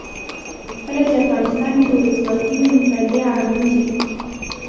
کله چې افغانستان کې ولسواکي وي مطالعه عامیږي.